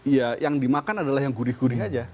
iya yang dimakan adalah yang gurih gurih aja